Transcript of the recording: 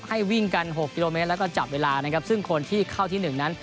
ให้วิ่งกัน๖กิโลเมตรแล้วก็จับเวลานะครับซึ่งคนที่เข้าที่หนึ่งนั้น